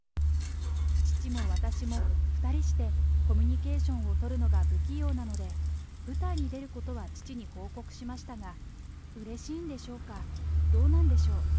父も私も、２人してコミュニケーションを取るのが不器用なので、舞台に出ることは父に報告しましたが、うれしいんでしょうか、どうなんでしょう。